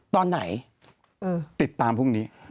ตอนไหนติดตามพรุ่งนี้